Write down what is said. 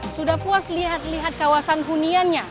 sudah puas lihat lihat kawasan huniannya